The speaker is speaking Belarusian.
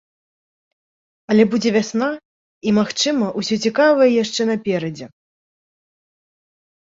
Але будзе вясна, і, магчыма, усё цікавае яшчэ наперадзе.